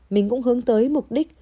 mình cũng hướng tới mục đích